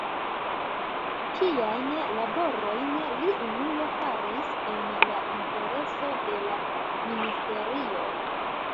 Tiajn laborojn li unue faris en la intereso de la ministerioj.